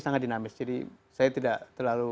sangat dinamis jadi saya tidak terlalu